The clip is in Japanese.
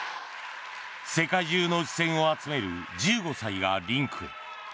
世界中の視線を集める１５歳がリンクへ。